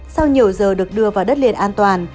sau nhiều giờ được đưa vào đất liền an toàn